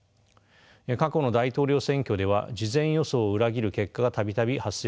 過去の大統領選挙では事前予想を裏切る結果が度々発生してきました。